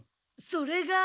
それが。